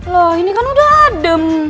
loh ini kan udah adem